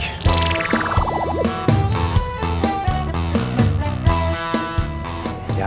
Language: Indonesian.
jauh lebih baik